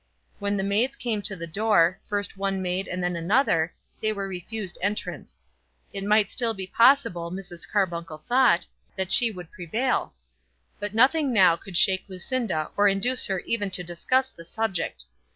When the maids came to the door, first one maid and then another, they were refused entrance. It might still be possible, Mrs. Carbuncle thought, that she would prevail. But nothing now could shake Lucinda or induce her even to discuss the subject.